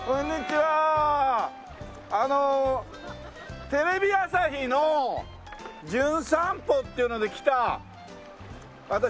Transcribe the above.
あのテレビ朝日の『じゅん散歩』っていうので来た私